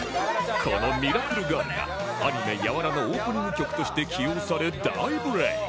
この『ミラクル・ガール』がアニメ『ＹＡＷＡＲＡ！』のオープニング曲として起用され大ブレイク。